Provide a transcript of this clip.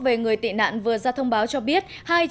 về người tị nạn vừa ra thông báo cho biết